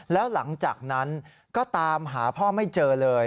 แล้วหลังจากนั้นก็ตามหาพ่อไม่เจอเลย